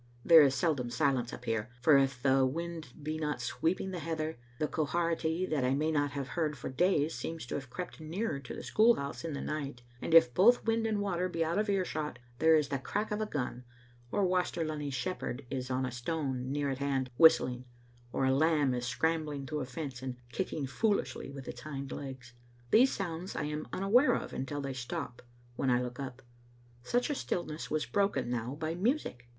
There is seldom silence up here, for if the wind be not sweeping the heather, the Quharity, that I may not have heard for days, seems to have crept nearer to the school house in the night, and if both wind and water be out of earshot, there is the crack of a gun, or Waster Lunny's shepherd is on a stone near at hand whistling, or a lamb is scrambling through a fence, and kicking foolishly with its hind legs. These sounds I am unaware of until they stop, when I look up. Such a stillness was broken now by music.